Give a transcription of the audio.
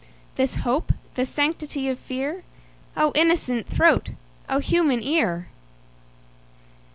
This hope, this sanctity of fear?O innocent throat! O human ear!